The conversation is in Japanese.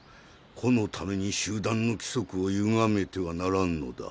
個のために集団の規則をゆがめてはならんのだ。